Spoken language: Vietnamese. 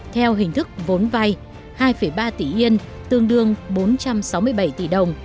theo hình thức vốn vay hai ba tỷ yên tương đương bốn trăm sáu mươi bảy tỷ đồng